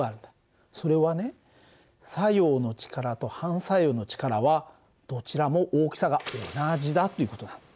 それはね作用の力と反作用の力はどちらも大きさが同じだっていう事なんだ。